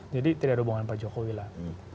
jadi tidak ada hubungan pak jokowi lah